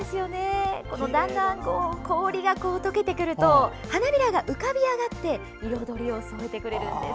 だんだん氷が解けてくると花びらが浮かび上がって彩りを添えてくれるんです。